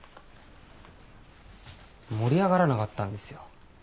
盛り上がらなかったんですよ。